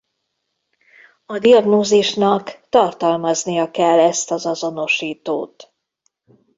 A diagnózisnak tartalmaznia kell ezt az azonosítót.